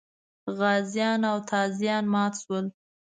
غازیان او تازیان مات شول.